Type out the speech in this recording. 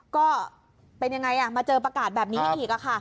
ก็เป็นยังไงมาเจอประกาศแบบนี้อีกค่ะ